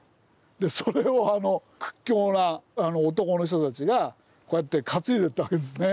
それを屈強な男の人たちがこうやって担いでいったわけですね。